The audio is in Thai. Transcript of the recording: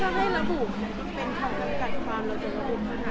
ถ้ามาเวลารับบุคกรรมเป็นช่องนำกับกล้านรับจนอะ